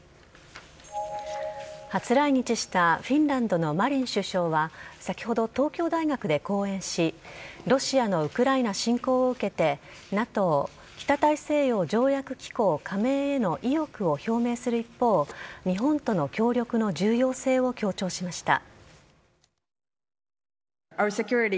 初来日したフィンランドのマリン首相は先ほど、東京大学で講演しロシアのウクライナ侵攻を受けてＮＡＴＯ＝北大西洋条約機構加盟への意欲を表明する一方日本との協力の重要性を強調しました。